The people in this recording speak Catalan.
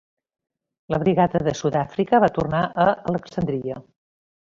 La Brigada de Sud-àfrica va tornar a Alexandria.